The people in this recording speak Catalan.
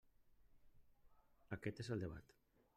Aquest és el debat.